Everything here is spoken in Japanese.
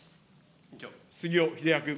杉尾秀哉君。